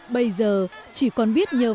bây giờ chỉ còn biết nhờ vợ